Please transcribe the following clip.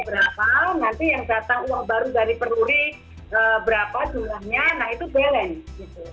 berapa nanti yang datang uang baru dari peruri berapa jumlahnya nah itu balance gitu